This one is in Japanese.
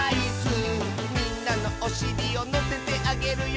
「みんなのおしりをのせてあげるよ」